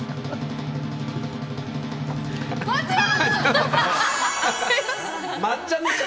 こちら！